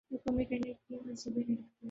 وہ کمی کرنے کے منصوبے نہیں رکھتے ہیں